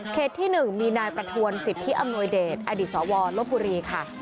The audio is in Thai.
เขตที่๑มีนายประถวรสิทธิอำนวยเดชอดิษฐ์สวรรค์ลบบุรีค่ะ